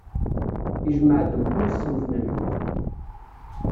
Ijemmeɛ-d mkul ṣṣenf n lḥut.